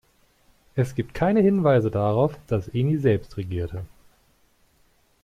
Es gibt keine Hinweise darauf, dass Eni selbst regierte.